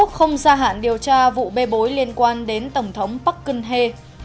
không xa hạn điều tra vụ bê bối liên quan đến tổng thống bắc cân hê